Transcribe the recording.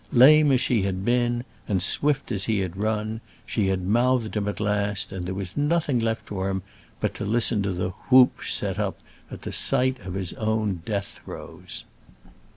Lame as she had been, and swift as he had run, she had mouthed him at last, and there was nothing left for him but to listen to the "whoop" set up at the sight of his own death throes.